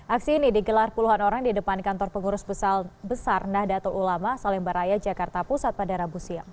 aksi ini digelar puluhan orang di depan kantor pengurus besar nahdlatul ulama salemba raya jakarta pusat pada rabu siang